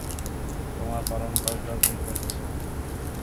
তোমার পালনকর্তার নির্দেশ এসে গেছে।